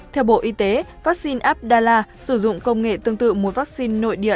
theo bộ y tế vaccine abdala sử dụng công nghệ tương tự mua vaccine nội địa